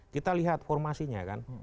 kita lihat formasinya kan